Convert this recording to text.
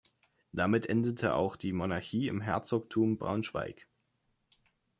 Damit endete auch die Monarchie im Herzogtum Braunschweig.